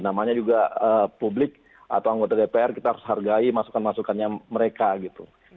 namanya juga publik atau anggota dpr kita harus hargai masukan masukannya mereka gitu